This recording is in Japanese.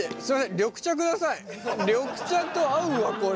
緑茶と合うわこれ。